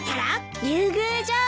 竜宮城よ。